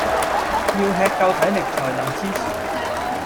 要吃夠體力才能支持